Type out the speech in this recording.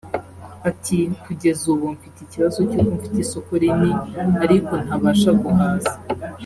Ati“Kugeza ubu mfite ikibazo cy’uko mfite isoko rini ariko ntabasha guhaza